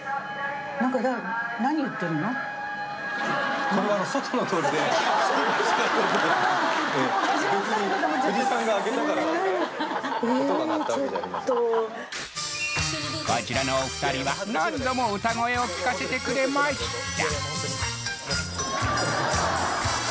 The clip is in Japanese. えっちょっとこちらのお二人は何度も歌声をきかせてくれました